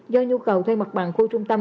do nhu cầu thuê mặt bằng khu trung tâm